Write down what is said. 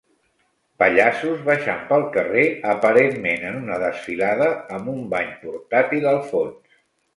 Pallassos baixant pel carrer aparentment en una desfilada amb un bany portàtil al fons